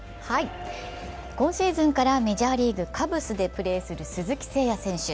今シーズンからメジャーリーグ・カブスでプレーする鈴木誠也選手。